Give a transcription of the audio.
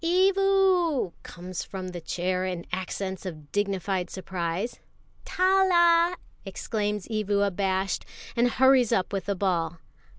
"Evu!" comes from the chair in accents of dignified surprise. "Tala!" exclaims Evu abashed, and hurries up with the ball.